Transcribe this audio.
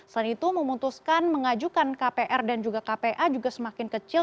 selain itu memutuskan mengajukan kpr dan juga kpa juga semakin kecil